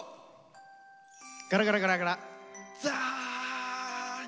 ガラガラガラガラザーッ。